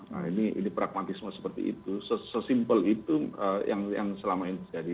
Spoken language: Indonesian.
nah ini pragmatisme seperti itu sesimpel itu yang selama ini terjadi